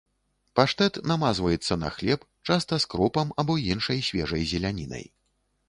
Паштэт намазваецца на хлеб, часта з кропам або іншай свежай зелянінай.